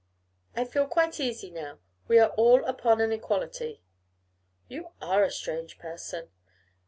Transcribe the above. I feel quite easy now: we are all upon an equality.' 'You are a strange person.